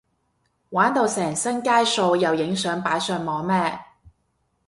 玩到成身街數又影相擺上網咩？